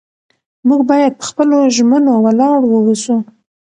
موږ باید په خپلو ژمنو ولاړ واوسو